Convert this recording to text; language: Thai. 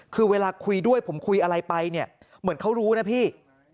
คือเวลาคุยด้วยผมคุยอะไรไปเนี่ยเหมือนเขารู้นะพี่